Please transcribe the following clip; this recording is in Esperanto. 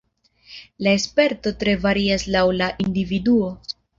La sperto tre varias laŭ la individuo.